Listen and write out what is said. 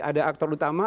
ada aktor utama